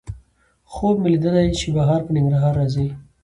خوب مې لیدلی چې بهار په ننګرهار راځي